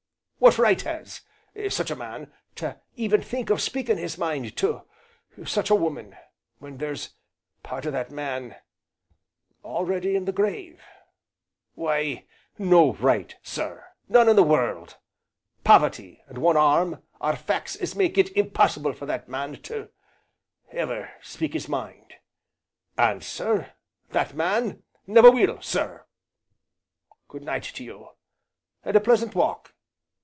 What right has such a man to even think of speaking his mind to such a woman, when there's part o' that man already in the grave? Why, no right, sir, none in the world. Poverty, and one arm, are facts as make it impossible for that man to ever speak his mind. And, sir that man never will. Sir, good night to you! and a pleasant walk!